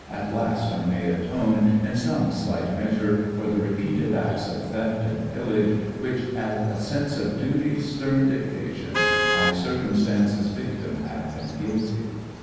At last I may atone, in some slight measure, For the repeated acts of theft and pillage Which, at a sense of duty's stern dictation, I, circumstance's victim, have been guilty!